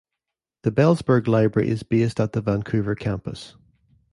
The Belzberg Library is based at the Vancouver campus.